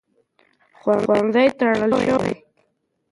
ښوونځي تړل شوي دي.